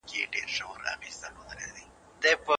ژبه د عزت د ساتلو مهمه وسیله ده.